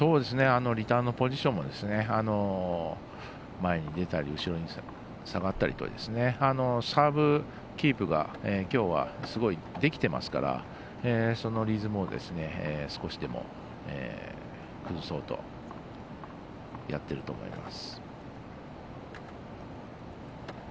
リターンのポジションも前に出たり後ろに下がったりとサーブキープがきょうはすごいできてますからそのリズムを少しでも崩そうとやっていると思います。